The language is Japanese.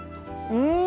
うん！